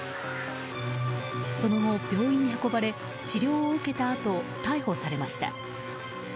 その後、病院に運ばれ治療を受けたあと逮捕されました。